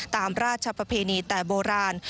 ตามราชประเพณีแต่โบราณ